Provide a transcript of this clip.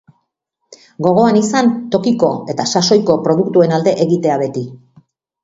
Gogoan izan tokiko eta sasoiko produktuen alde egitea beti.